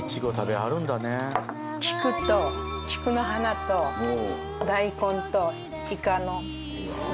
菊と菊の花と大根とイカの酢漬け。